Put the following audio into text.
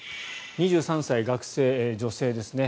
２３歳、学生、女性ですね